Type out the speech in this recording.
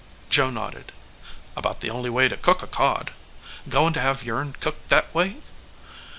Joe nodded. "About the only way to cook a cod. Goin to have yourn cooked that way?"